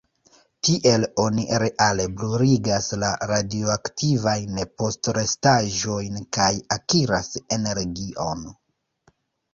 Tiel oni reale bruligas la radioaktivajn postrestaĵojn kaj akiras energion.